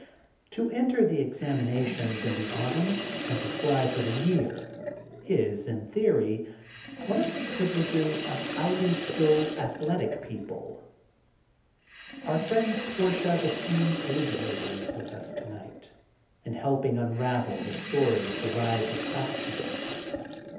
To enter the examinations in the autumn and to fly for the year is, in theory, one of the privileges of highly skilled, athletic people. Our friend, Portia, the Sing THE GOLDEN BOOK OF SPRINGFIELD 14?; ing Aviator, is with us tonight and help ing unravel the story of the rise of fac tions.